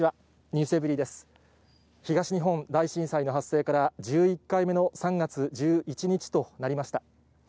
東日本大震災の発生から１１回目の３月１１日となりました。